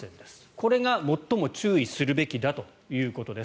これが最も注意するべきだということです。